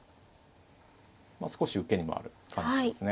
少し受けに回る感じですね。